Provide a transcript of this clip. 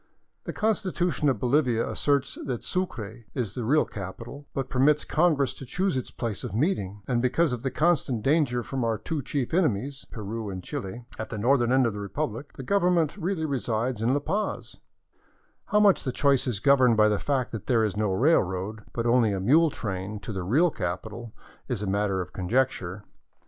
The constitution of Bolivia asserts that Sucre is the real capital, but permits congress to choose its place of meeting, and " because of the constant danger from our two chief enemies" (Peru and Chile) at the northern end of the Republic, the Government really resides in La Paz," How much the choice is governed by the fact that there is no railroad, but only a mule trail, to the " real capital," is a matter \i conjecture.